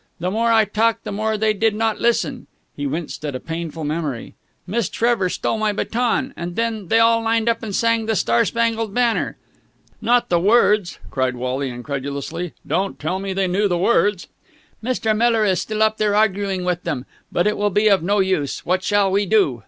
"The more I talked the more they did not listen!" He winced at a painful memory. "Miss Trevor stole my baton, and then they all lined up and sang the 'Star Spangled Banner'!" "Not the words?" cried Wally incredulously. "Don't tell me they knew the words!" "Mr. Miller is still up there, arguing with them. But it will be of no use. What shall we do?"